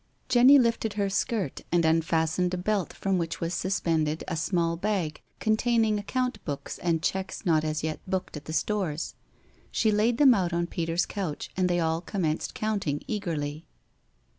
Jenny lifted her skirt and unfastened a belt from which was suspended a small bag containing account book, and checks not as yet booked at the Stores. She laid them out on Peter's couch, and they all commenced counting eagerly.